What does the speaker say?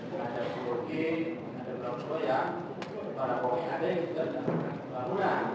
jadi kemudian ada peluang yang ada di dalam pembangunan